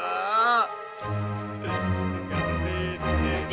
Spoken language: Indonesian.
pasti gak berhenti